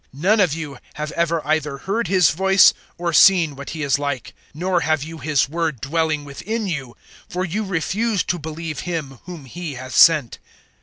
None of you have ever either heard His voice or seen what He is like. 005:038 Nor have you His word dwelling within you, for you refuse to believe Him whom *He* has sent.